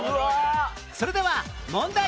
それでは問題